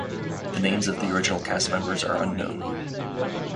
The names of the original cast members are unknown.